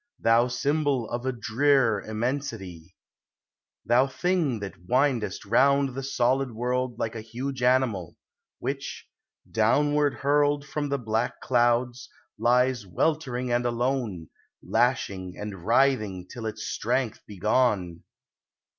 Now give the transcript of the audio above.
Thou symbol of a drear immensity ! Thou thing that windest round the solid world Like a huge animal, which, downward hurled 382 POEMS OF NATURE. From the black clouds, lies weltering and alone, Lashing and writhing till its strength be gone!